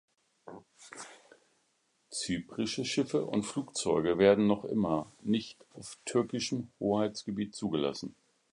Zyprische Schiffe und Flugzeuge werden noch immer nicht auf türkischem Hoheitsgebiet zugelassen.